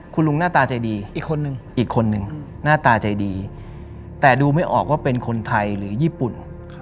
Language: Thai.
คุณลุงหน้าตาใจดีอีกคนนึงอีกคนนึงหน้าตาใจดีแต่ดูไม่ออกว่าเป็นคนไทยหรือญี่ปุ่น